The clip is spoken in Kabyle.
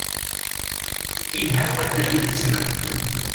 Ilha waddal i tezmert.